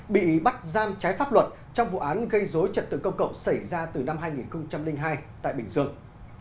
bị bắt giam trái pháp luật trong vụ án gây dối trật tự công cộng xảy ra từ năm hai nghìn hai tại bình dương